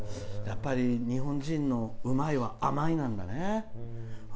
やっぱり、日本人のうまいは甘いなんだね。